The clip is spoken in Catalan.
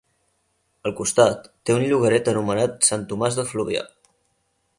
Al costat té un llogaret anomenat Sant Tomàs de Fluvià.